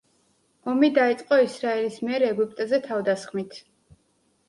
ომი დაიწყო ისრაელის მიერ ეგვიპტეზე თავდასხმით.